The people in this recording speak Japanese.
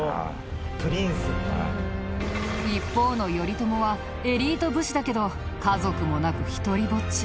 一方の頼朝はエリート武士だけど家族もなく独りぼっち。